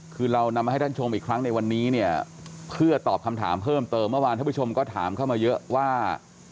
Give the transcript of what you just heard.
คือเรานำมาให้ท่านชมอีกครั้งในวันนี้เนี่ยเพื่อตอบคำถามเพิ่มเติมเมื่อวานท่านผู้ชมก็ถามเข้ามาเยอะว่า